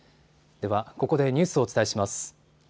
ではここでニュースをお伝えします。